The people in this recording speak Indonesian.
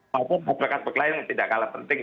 maupun masyarakat berkeliling yang tidak kalah penting